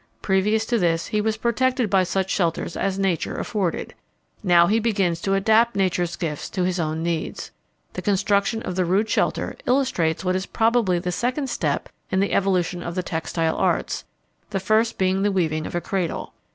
Previous to this he was protected by such shelters as nature afforded. Now he begins to adapt nature's gifts to his own needs. The construction of the rude shelter illustrates what is probably the second step in the evolution of the textile arts, the first being the weaving of a cradle.